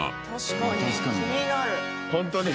確かに。